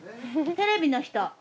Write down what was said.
テレビの人！